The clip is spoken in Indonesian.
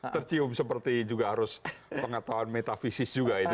tercium seperti juga harus pengetahuan metafisis juga itu